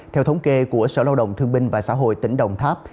theo thống kê của sở lao động thương binh và xã hội tỉnh đồng tháp